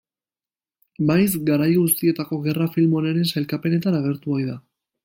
Maiz, garai guztietako gerra film onenen sailkapenetan agertu ohi da.